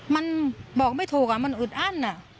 มันบอกไม่ถูกอ่ะมันอึดอั้นอ่ะ